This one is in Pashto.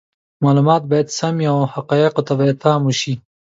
معلومات باید سم وي او حقایقو ته باید پام وشي.